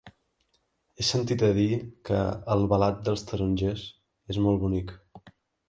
He sentit a dir que Albalat dels Tarongers és molt bonic.